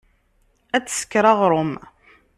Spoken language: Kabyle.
Ad tesker aɣṛum.